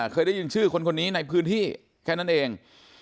เคยได้ยินชื่อคนคนนี้ในพื้นที่แค่นั้นเอง